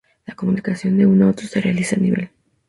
La comunicación de uno a otro se realiza a nivel.